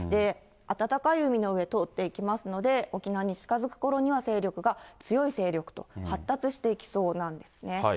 暖かい海の上、通っていきますので、沖縄に近づくころには勢力が強い勢力と、発達していきそうなんですね。